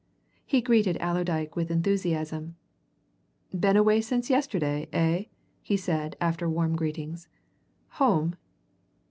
He greeted Allerdyke with enthusiasm. "Been away since yesterday, eh?" he said, after warm greetings. "Home?"